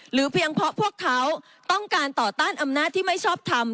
เพียงเพราะพวกเขาต้องการต่อต้านอำนาจที่ไม่ชอบทำ